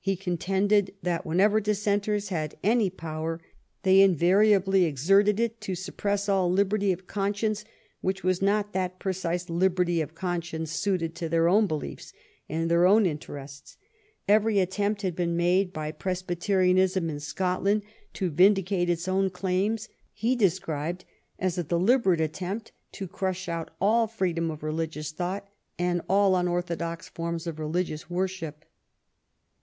He contended that whenever Dissenters had any power they invariably exerted it to suppress all liberty of conscience which was not that precise liberty of conscience suited to their own beliefs and their own interests. Every attempt that had been made by Pres byterianism in Scotland to vindicate its own claims 73 DISSENT AND DEFOE he described as a deliberate attempt to crush out all freedom of religious thought and all unorthodox forms of religious worship.